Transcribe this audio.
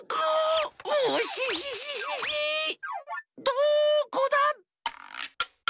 どこだ？